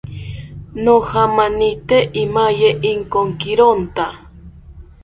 Nojamanite imaye inkokironta